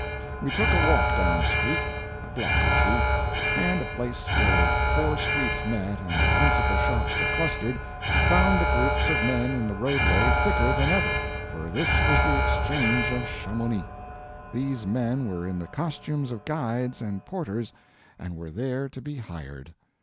We took a walk down street, a block or two, and a place where four streets met and the principal shops were clustered, found the groups of men in the roadway thicker than ever for this was the Exchange of Chamonix. These men were in the costumes of guides and porters, and were there to be hired.